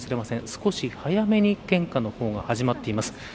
少し早めに献花の方が始まっています。